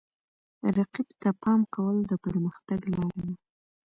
رقیب ته پام کول د پرمختګ لاره ده.